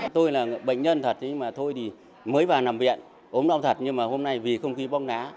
tôi là bệnh nhân thật nhưng mà thôi thì mới vào nằm viện ốm đau thật nhưng mà hôm nay vì không khí bóng đá